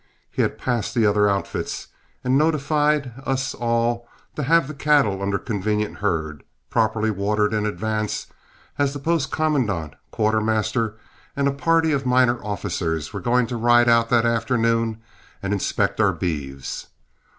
He had passed the other outfits, and notified us all to have the cattle under convenient herd, properly watered in advance, as the post commandant, quartermaster, and a party of minor officers were going to ride out that afternoon and inspect our beeves.